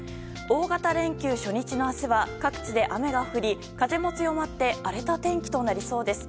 大型連休初日の明日は各地で雨が降り風も強まって荒れた天気となりそうです。